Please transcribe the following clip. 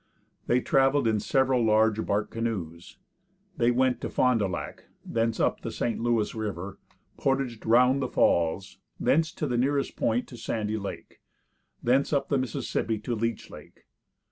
They travelled in several large bark canoes. They went to Fond du Lac, thence up the St. Louis river, portaged round the falls, thence to the nearest point to Sandy lake, thence up the Mississippi to Leech lake.